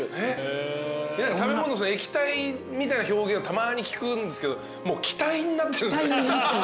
食べ物液体みたいな表現はたまに聞くんですけどもう気体になってる？